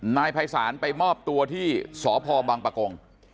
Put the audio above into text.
นายภัยศาลไปมอบตัวที่สพบังปะกง